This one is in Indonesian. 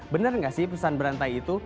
bener gak sih pesan berantai itu